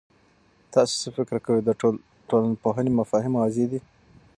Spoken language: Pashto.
تاسو څه فکر کوئ، د ټولنپوهنې مفاهیم واضح دي؟